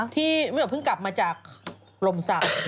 ที่เพิ่งกลับมาจากรมศักดิ์